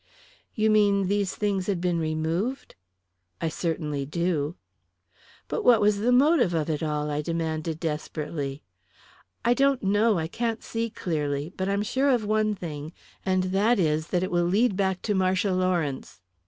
"You mean these things had been removed?" "I certainly do." "But what was the motive of it all?" I demanded desperately. "I don't know; I can't see clearly; but I'm sure of one thing, and that is that it will lead back to Marcia Lawrence."